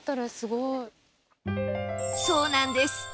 そうなんです。